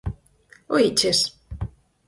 –¿Oíches?